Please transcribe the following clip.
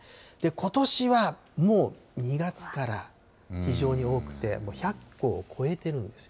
ことしはもう２月から非常に多くて、もう１００個を超えてるんです。